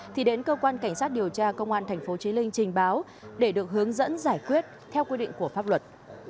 thì đến cơ quan cảnh sát điều tra công an tp chí linh trình báo để được hướng dẫn giải quyết theo quy định của pháp luật